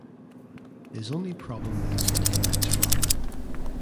His only problem is that he likes rock.